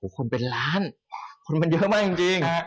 คนเป็นล้านคนมันเยอะมากจริง